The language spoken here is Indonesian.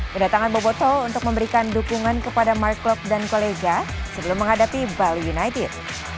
kedatangan boboto untuk memberikan dukungan kepada mark klop dan kolega sebelum menghadapi bali united